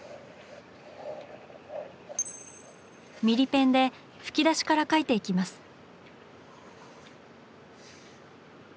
ミリペンで吹き出しから描いていきます。